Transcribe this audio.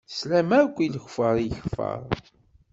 Teslam akk i lekfeṛ i yekfeṛ.